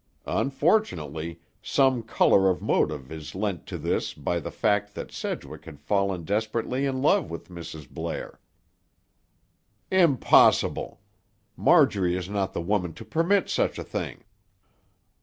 Unfortunately, some color of motive is lent to this by the fact that Sedgwick had fallen desperately in love with Mrs. Blair." "Impossible! Marjorie is not the woman to permit such a thing."